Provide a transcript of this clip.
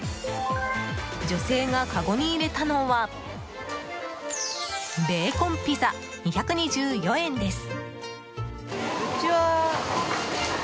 女性がかごに入れたのはベーコンピザ、２２４円です。